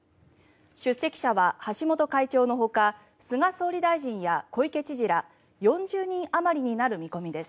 出席者は橋本会長のほか菅総理大臣や小池知事ら４０人あまりになる見込みです。